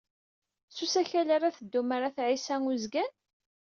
S usakal ara teddum ɣer At Ɛisa Uzgan?